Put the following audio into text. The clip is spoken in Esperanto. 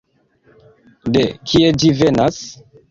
De kie ĝi venas?